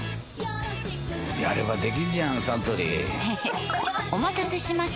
やればできんじゃんサントリーへへっお待たせしました！